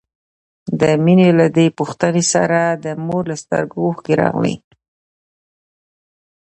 د مينې له دې پوښتنې سره د مور له سترګو اوښکې راغلې.